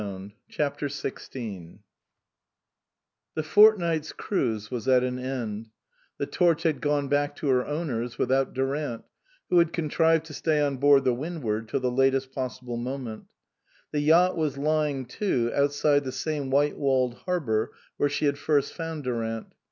168 CHAPTER XVI r I ^HE fortnight's cruise was at an end, the JL Torch had gone back to her owners, with out Durant, who had contrived to stay on board the Windivard till the latest possible moment. The yacht was lying to, outside the same white walled harbour where she had first found Durant.